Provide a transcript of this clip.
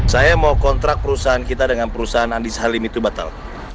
saya mau kontrak perusahaan kita dengan perusahaan andis halim itu batal